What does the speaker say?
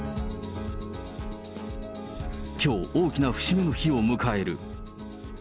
きょう、大きな節目の日を迎える。